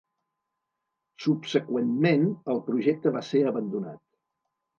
Subseqüentment, el projecte va ser abandonat.